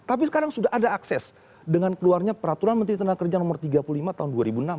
tapi sekarang sudah ada akses dengan keluarnya peraturan menteri tenaga kerja nomor tiga puluh lima tahun dua ribu enam belas